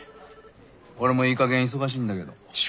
俺もいい加減忙しいんだけど。